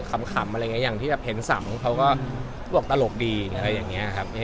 ขำอะไรอย่างนี้อย่างที่แบบเห็นสำเขาก็บอกตลกดีอะไรอย่างนี้ครับ